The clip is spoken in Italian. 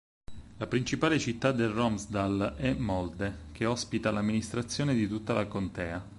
La principale città del Romsdal è Molde che ospita l'amministrazione di tutta la contea.